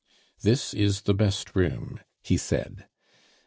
"This is the best room," he said.